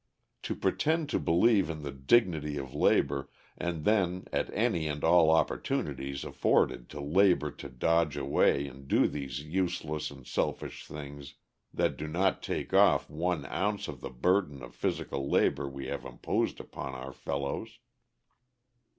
To pretend to believe in the dignity of labor, and then at any and all opportunities afforded to labor to dodge away and do these useless and selfish things that do not take off one ounce of the burden of physical labor we have imposed upon our fellows.